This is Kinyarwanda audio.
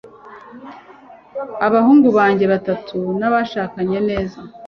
abahungu banjye batatu nashakanye neza